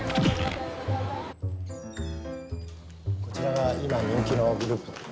こちらが今人気のグループ。